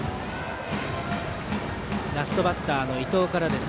ラストバッターの伊藤からです。